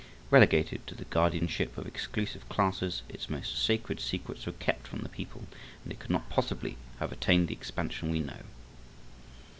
Relegated to the guardianship of exclusive classes its most sacred secrets were kept from the people, and it could not possibly have attained the expansion we know.